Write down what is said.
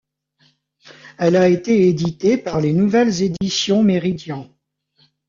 Elle a été éditée par Les Nouvelles Editions Meridian.